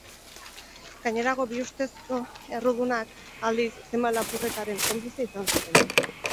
Gainerako bi ustezko errudunak, aldiz, zenbait lapurretaren konplize izan ziren.